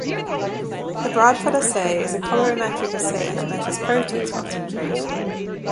The Bradford assay is a colorimetric assay that measures protein concentration.